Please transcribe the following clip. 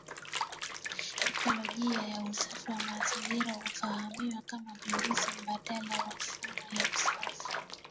Ikolojia ya usafi wa mazingira hufahamiwa kama pinduzi mbadala wa mifumo ya usafi